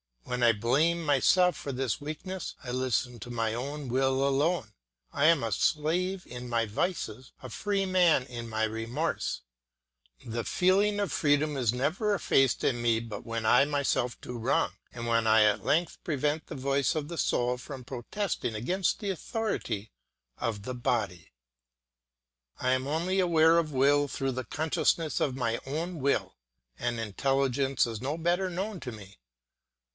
When I blame myself for this weakness, I listen to my own will alone; I am a slave in my vices, a free man in my remorse; the feeling of freedom is never effaced in me but when I myself do wrong, and when I at length prevent the voice of the soul from protesting against the authority of the body. I am only aware of will through the consciousness of my own will, and intelligence is no better known to me.